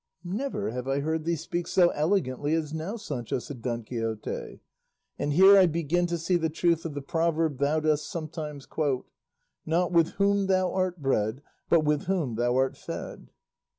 "Never have I heard thee speak so elegantly as now, Sancho," said Don Quixote; "and here I begin to see the truth of the proverb thou dost sometimes quote, 'Not with whom thou art bred, but with whom thou art fed.